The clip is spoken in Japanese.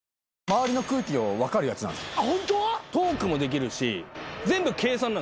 周りの空気分かるやつなんすよ。